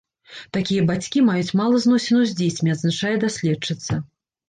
Такія бацькі маюць мала зносінаў з дзецьмі, адзначае даследчыца.